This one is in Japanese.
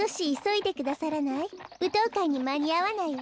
ぶとうかいにまにあわないわ。